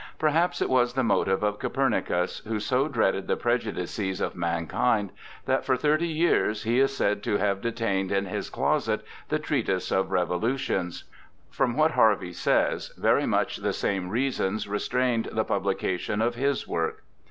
Perhaps it was the motive of Copernicus, who so dreaded the prejudices of mankind that for thirty years he is said to have detained in his closet the Treatise of Revolutions. From what Harvey says, very much the same reasons restrained the publication of his work.